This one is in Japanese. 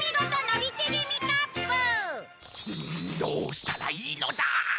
どうしたらいいのだ！